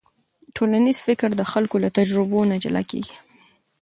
ټولنیز فکر د خلکو له تجربو نه جلا کېږي.